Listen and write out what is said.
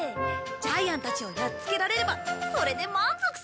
ジャイアンたちをやっつけられればそれで満足さ。